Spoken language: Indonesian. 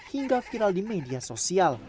hingga viral di media sosial